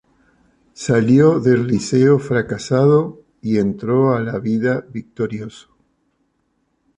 Salió del Liceo fracasado y entró a la vida victorioso.